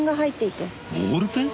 ボールペン？